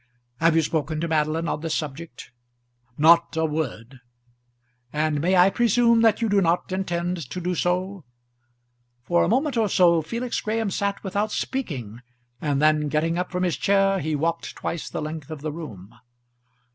Have you spoken to Madeline on this subject?" "Not a word." "And I may presume that you do not intend to do so." For a moment or so Felix Graham sat without speaking, and then, getting up from his chair, he walked twice the length of the room.